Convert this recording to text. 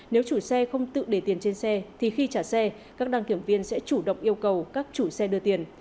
nếu chủ xe không tự để tiền trên xe thì khi trả xe các đăng kiểm viên sẽ chủ động yêu cầu các chủ xe đưa tiền